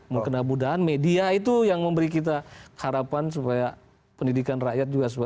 mudah mudahan media itu yang memberi kita harapan supaya pendidikan rakyat juga susah